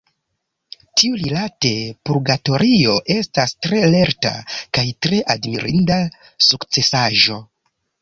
Tiurilate, Purgatorio estas tre lerta kaj tre admirinda sukcesaĵo.